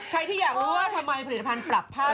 ใครที่อยากรู้ว่าทำไมผลิตภัณฑ์ปรับผ้า